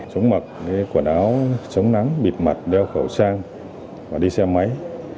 sống mặc quần áo chống nắng bịt mặt đeo khẩu trang và đi xe máy